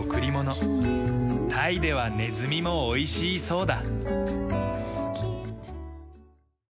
タイではネズミもおいしいそうだ。